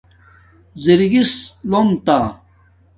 ژِگس لُوم تہ